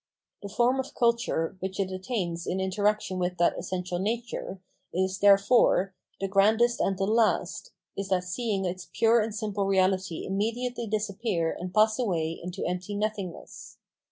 The form of culture, which it attains in interaction with that essential nature, is, therefore, the grandest and the last, is that of seeing its pure and simple reality immediately disappear and pass away into empty nothingness.